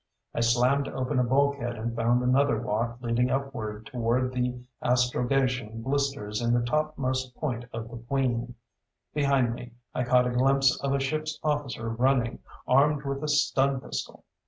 I slammed open a bulkhead and found another walk leading upward toward the astrogation blisters in the topmost point of the Queen. Behind me, I caught a glimpse of a ship's officer running, armed with a stun pistol.